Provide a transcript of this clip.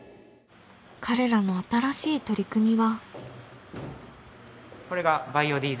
彼らの新しい取り組みは。